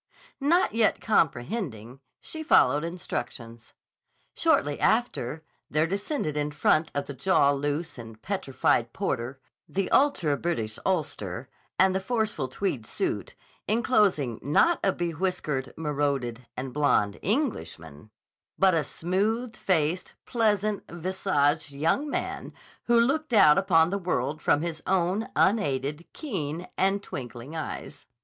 Not yet comprehending, she followed instructions. Shortly after, there descended in front of the jaw loose and petrified porter the ultra British ulster, and the forceful tweed suit, enclosing not a bewhiskered, monocled, and blond Englishman, but a smooth faced, pleasant visaged young man who looked out upon the world from his own unaided, keen, and twink ing eyes.